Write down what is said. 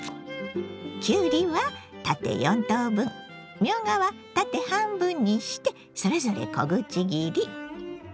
きゅうりは縦４等分みょうがは縦半分にしてそれぞれ小口切り。